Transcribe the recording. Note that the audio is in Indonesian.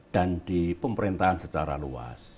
dan di pemerintahan secara luas